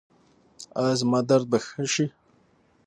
ایا زما درد به ښه شي؟